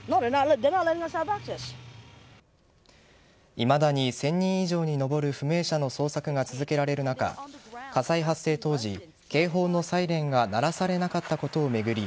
いまだに１０００人以上に上る不明者の捜索が続けられる中火災発生当時警報のサイレンが鳴らされなかったことを巡り